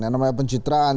yang namanya pencitraan